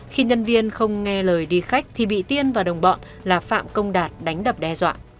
khi nhân viên không nghe lời đi khách thì bị tiên và đồng bọn là phạm công đạt đánh đập đe dọa